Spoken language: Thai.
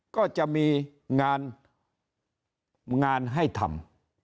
ก็จะมีงานงานให้ทำ